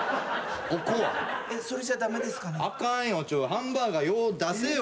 ハンバーガー出せよ。